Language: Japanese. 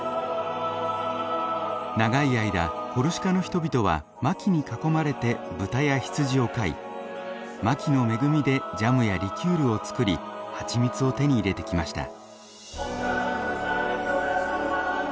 長い間コルシカの人々はマキに囲まれて豚や羊を飼いマキの恵みでジャムやリキュールを作り蜂蜜を手に入れてきました。